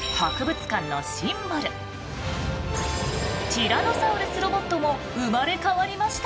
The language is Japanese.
ティラノサウルスロボットも生まれ変わりました。